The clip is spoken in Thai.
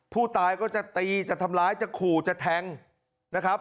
ผู้ตายก็จะตีจะทำร้ายจะขู่จะแทงนะครับ